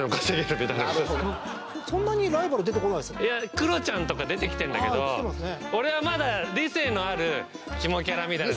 クロちゃんとか出てきてんだけど俺はまだ理性のあるキモキャラみたいな。